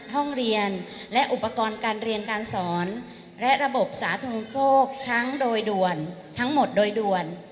ห้องเรียนและอุปกรณ์การเรียนการสอนและระบบสาธุโภคทั้งโดยด่วนทั้งหมดโดยด่วน